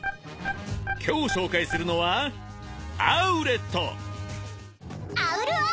今日紹介するのはアウル・アイ！